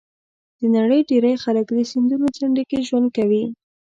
د نړۍ ډېری خلک د سیندونو څنډو کې ژوند کوي.